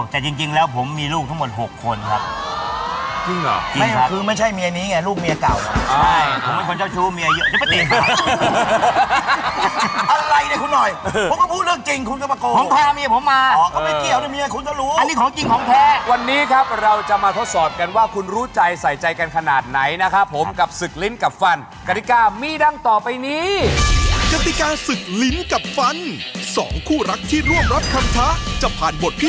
แต่จริงแล้วผมมีลูกทั้งหมด๖คนครับ